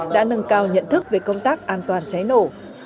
đã nâng cao nhận thức về công tác an toàn cháy nổ